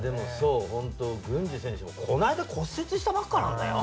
郡司選手もこの間、骨折したばっかなんだよ。